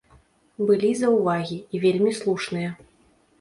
Былі заўвагі, і вельмі слушныя.